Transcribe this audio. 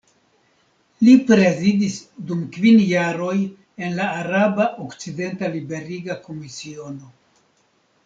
Li prezidis dum kvin jaroj en la Araba Okcidenta Liberiga Komisiono.